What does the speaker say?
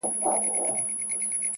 هره ستونزه یو درس لري.